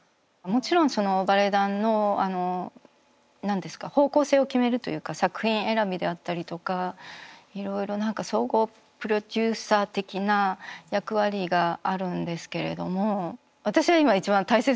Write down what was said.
もちろんバレエ団の何ですか方向性を決めるというか作品選びであったりとかいろいろ何か総合プロデューサー的な役割があるんですけれども。